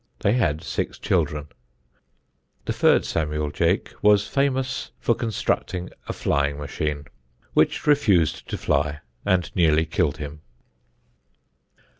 They had six children. The third Samuel Jeake was famous for constructing a flying machine, which refused to fly, and nearly killed him.